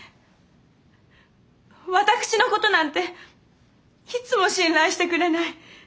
私のことなんていつも信頼してくれない。